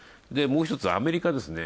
もう１つ、アメリカ。